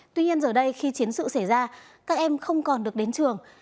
tuy nhiên giờ đây khi chiến sự xảy ra các em không còn được đến trường